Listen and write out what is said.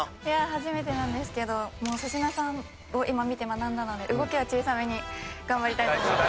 初めてなんですけど粗品さんを今見て学んだので動きは小さめに頑張りたいと思います。